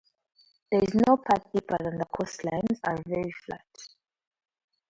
There is no part deeper than and the coastlines are very flat.